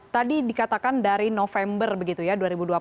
tadi dikatakan dari november begitu ya dua ribu dua puluh